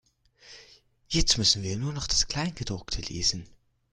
Jetzt müssen wir noch das Kleingedruckte lesen.